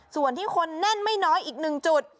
ส่วนที่คนแน่นไม่น้อยอีกหนึ่งจุด